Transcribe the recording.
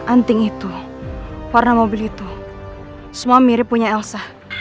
anting itu warna mobil itu semua mirip punya elsa